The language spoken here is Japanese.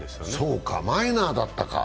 そうか、マイナーだったか。